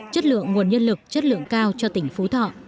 chất lượng nguồn nhân lực chất lượng cao cho tỉnh phú thọ